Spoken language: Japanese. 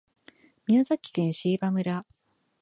宮崎県椎葉村